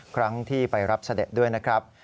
ครั้งที่ไปรับเสด็จด้วยนะครับ